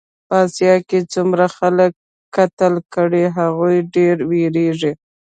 په اسیا کې څومره خلک قتل کړې هغوی ډېر وېرېږي.